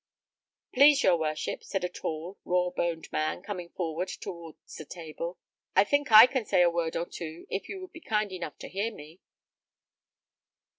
"Please your worship," said a tall, raw boned man, coming forward towards the table, "I think I can say a word or two, if you would be kind enough to hear me."